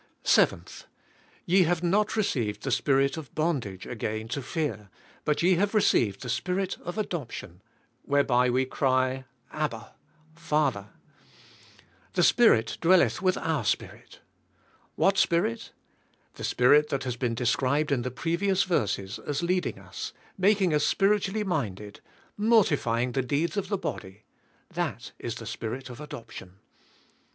7. ^' Ye have not received the spirit of bondage ag ain to fear, but ye have received the spirit of adoption whereby we cry Abba, Father." "The Spirit dwelleth with our spirit." What Spirit? The .Spirit that has been described in the previous verses as leading us, making us spiritually minded, mortifying the deeds of the body; that is the spirit of adoption.